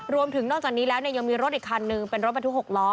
นอกจากนี้แล้วยังมีรถอีกคันนึงเป็นรถบรรทุก๖ล้อ